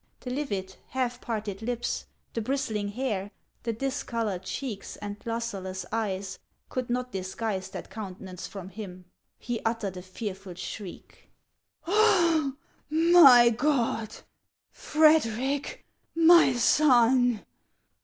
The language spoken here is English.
The livid, half parted lips, the bristling hair, the discolored cheeks, and lustreless eyes could not disguise that countenance from him. He uttered a fearful shriek :" My God ! Frederic ! My son